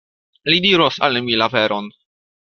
Li diros al mi la veron.